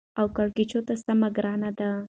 او کېړکیچو ته سمه ګرانه ده.